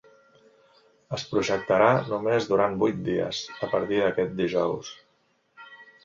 Es projectarà només durant vuit dies, a partir d’aquest dijous.